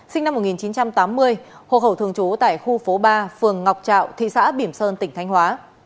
sinh năm một nghìn chín trăm tám mươi hộ khẩu thường trú tại khu phố ba phường ngọc trạo thị xã bỉm sơn tỉnh thanh hóa